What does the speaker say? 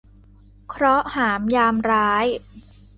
เคราะห์หามยามร้าย